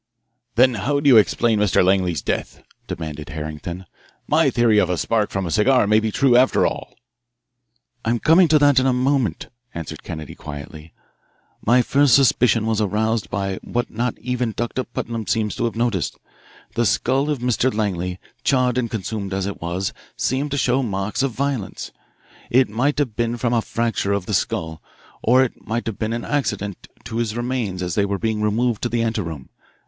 "Then how do you explain Mr. Langley's death?" demanded Harrington. "My theory of a spark from a cigar may be true, after all." "I am coming to that in a moment," answered Kennedy quietly. "My first suspicion was aroused by what not even Doctor Putnam seems to have noticed. The skull of Mr. Langley, charred and consumed as it was, seemed to show marks of violence. It might have been from a fracture of the skull or it might have been an accident to his remains as they were being removed to the anteroom.